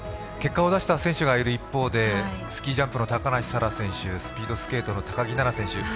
結果を出した選手がいる一方でスキージャンプの高梨沙羅選手スピードスケートの高木菜那選手